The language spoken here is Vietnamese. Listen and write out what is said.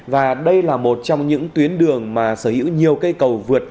và đây là một trong những tuyến đường mà sở hữu nhiều cây cầu vượt